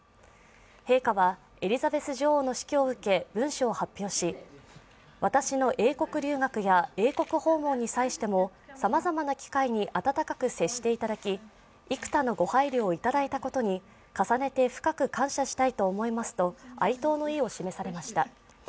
陛下はエリザベス女王の死去を受け文書を発表し私の英国留学や英国訪問に際してもさまざまな機会に温かく接していただき幾多のご配慮をいただいたことに重ねて深く感謝したいと思いますと哀悼の意を示されました。